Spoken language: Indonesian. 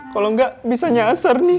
kalau nggak bisa nyasar nih